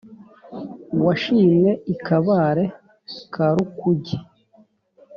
washimwe i kabare ka rukuge,